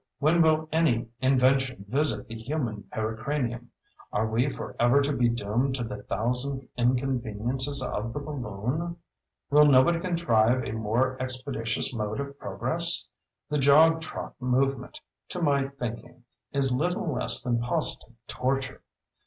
when will any Invention visit the human pericranium? Are we forever to be doomed to the thousand inconveniences of the balloon? Will nobody contrive a more expeditious mode of progress? The jog trot movement, to my thinking, is little less than positive torture.